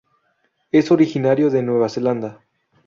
Es originario de Nueva Zelanda.